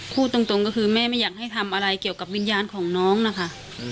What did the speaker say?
พูดตรงก็คือแม่ไม่อยากให้ทำอะไรเกี่ยวกับวิญญาณของน้องนะคะ